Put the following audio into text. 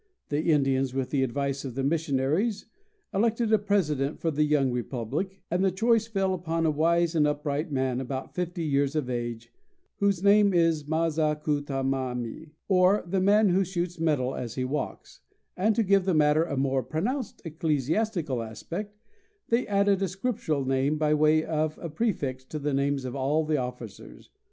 The Indians, with the advice of the missionaries, elected a president for the young republic, and the choice fell upon a wise and upright man, about fifty years of age, whose name was Ma za cu ta ma mi, or "The man who shoots metal as he walks," and to give the matter a more pronounced ecclesiastical aspect, they added a scriptural name by way of a prefix to the names of all the officers.